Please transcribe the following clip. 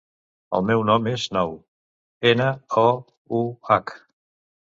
El meu nom és Nouh: ena, o, u, hac.